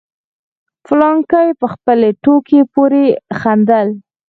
فلانکي په خپلې ټوکې پورې خندل.